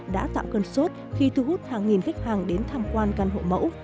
đã tạo cơn sốt khi thu hút hàng nghìn khách hàng đến tham quan căn hộ mẫu